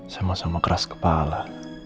sama sama keras kepala